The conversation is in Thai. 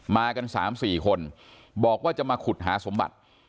มากัน๓๔คนบอกว่าจะมาขุดหาสมบัติ